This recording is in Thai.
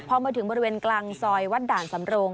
พอมาถึงบริเวณกลางซอยวัดด่านสำโรง